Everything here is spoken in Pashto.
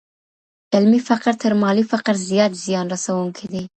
علمي فقر تر مالي فقر زيات زيان رسوونکی دی.